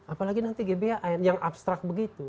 apalagi nanti gbhn yang abstrak begitu